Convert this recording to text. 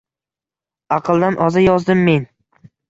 Aqldan oza yozdim men.